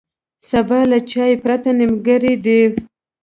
سبا له چای پرته نیمګړی دی.